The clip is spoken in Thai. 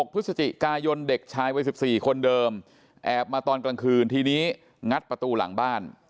พฤศจิกายนเด็กชายวัย๑๔คนเดิมแอบมาตอนกลางคืนทีนี้งัดประตูหลังบ้าน